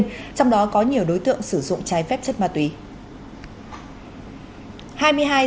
trong đó có nhiều đối tượng sử dụng trái phép chất ma túy